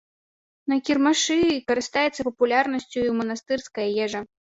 На кірмашы карыстаецца папулярнасцю і манастырская ежа.